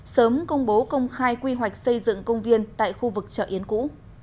sớm công bố công khai quy hoạch xây dựng công viên tại khu vực chợ yến cũ